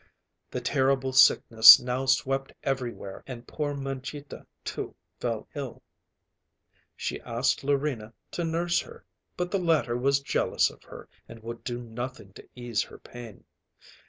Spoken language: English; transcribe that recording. The terrible sickness now swept everywhere and poor Mangita, too, fell ill. She asked Larina to nurse her, but the latter was jealous of her and would do nothing to ease her pain.